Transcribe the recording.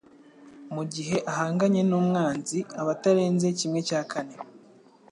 mu gihe ahanganye n'umwanzi abatarenze cyimwe cyakane